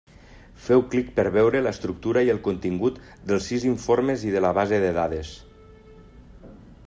Feu clic per veure l'estructura i el contingut dels sis informes i de la base de dades.